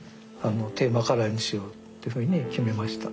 テーマカラーにしようって決めました。